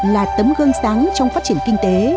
là tấm gương sáng trong phát triển kinh tế